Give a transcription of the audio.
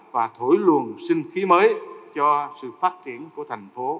và thổi luồng sinh khí mới cho sự phát triển của thành phố